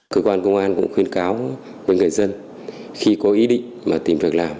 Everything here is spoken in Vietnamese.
cơ quan công an cũng khuyên cáo với người dân khi có ý định tìm việc làm